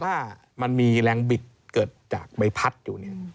ถ้ามันมีแรงบิดเกิดจากใบพัดอยู่เนี่ย